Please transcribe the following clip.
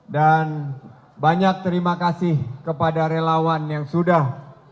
dan banyak terima kasih kepada relawan yang sudah